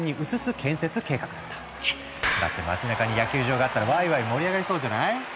だって街なかに野球場があったらワイワイ盛り上がりそうじゃない？